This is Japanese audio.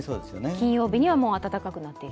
金曜日にはもう暖かくなってくる。